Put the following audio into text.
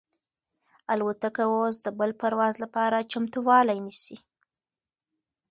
الوتکه اوس د بل پرواز لپاره چمتووالی نیسي.